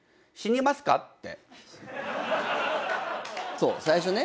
そう最初ね。